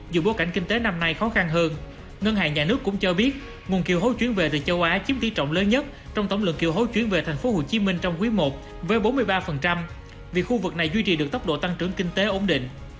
dù bối cảnh kinh tế năm nay khó khăn hơn ngân hàng nhà nước cũng cho biết nguồn kêu hối chuyển về từ châu á chiếm tỷ trọng lớn nhất trong tổng lượng kêu hối chuyển về thành phố hồ chí minh trong quý i với bốn mươi ba vì khu vực này duy trì được tốc độ tăng trưởng kinh tế ổn định